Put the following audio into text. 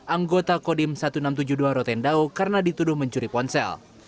anggota kodim seribu enam ratus tujuh puluh dua rotendao karena dituduh mencuri ponsel